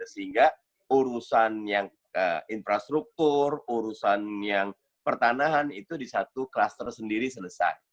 sehingga urusan yang infrastruktur urusan yang pertanahan itu di satu klaster sendiri selesai